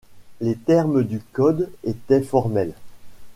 Les termes du code étaient formels.